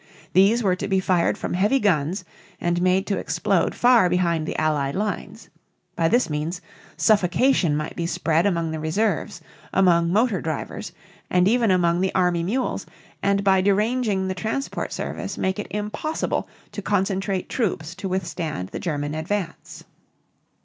These were to be fired from heavy guns and made to explode far behind the Allied lines. By this means suffocation might be spread among the reserves, among motor drivers, and even among the army mules, and by deranging the transport service make it impossible to concentrate troops to withstand the German advance.